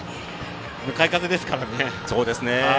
向かい風ですからね。